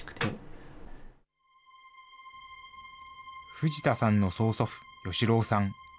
藤田さんの曽祖父、与四郎さん。